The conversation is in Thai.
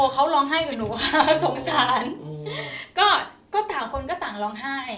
เขาร้องไห้กับหนูว่าสงสารก็ต่างคนก็ต่างร้องไห้